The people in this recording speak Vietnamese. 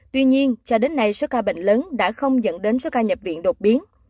tuy nhiên cho đến nay số ca bệnh lớn đã không dẫn đến số ca nhập viện đột biến